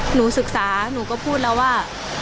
หนูศึกษาหนูก็พูดแล้วว่า